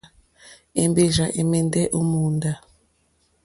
Èmbèrzà ɛ̀mɛ́ndɛ́ ó mòóndá.